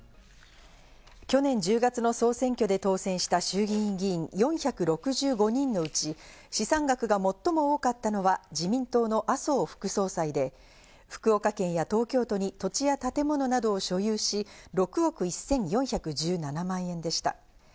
去年１０月の総選挙で当選した衆議院議員４６５人のうち、資産額が最も多かったのは自民党の麻生副総裁で福岡県や東京都に土地や建物などを所有し、６億１４１７万円でした。